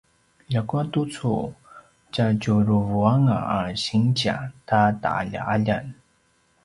ljakua tucu tjatjuruvanga a sinzia ta ta’alja’aljan